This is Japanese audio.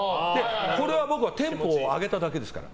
これ僕はテンポを上げただけですから。